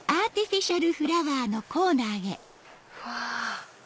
うわ！